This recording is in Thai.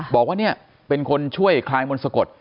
บอกว่าเนี่ยเป็นคนช่วยคลายมนต์สะกด